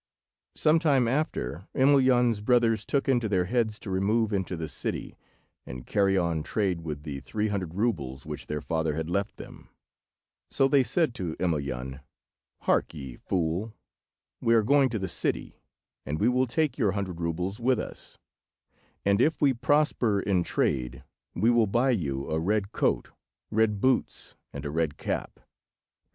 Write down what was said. Some time after Emelyan's brothers took it into their heads to remove into the city, and carry on trade with the three hundred roubles which their father had left them. So they said to Emelyan— "Hark ye, fool! we are going to the city, and we will take your hundred roubles with us, and if we prosper in trade we will buy you a red coat, red boots, and a red cap.